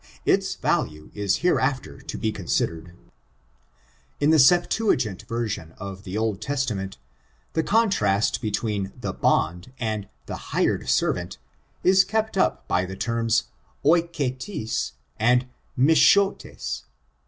Its value is hereafter to be considered. In the Septaagint version of the Old Testament, the contrast between the bond and the hired servant, is kept up by the terms oihetees and miHhooiot.